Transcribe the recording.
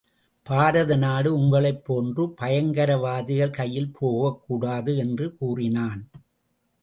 பாரத நாடு உங்களைப் போன்ற பயங்கரவாதிகள் கையில் போகக் கூடாது என்று கூறினான்.